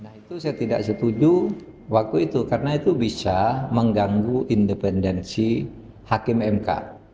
nah itu saya tidak setuju waktu itu karena itu bisa mengganggu independensi hakim mk